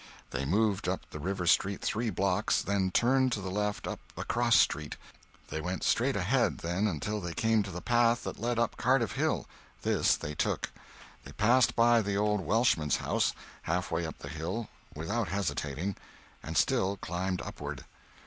They moved up the river street three blocks, then turned to the left up a crossstreet. They went straight ahead, then, until they came to the path that led up Cardiff Hill; this they took. They passed by the old Welshman's house, halfway up the hill, without hesitating, and still climbed upward.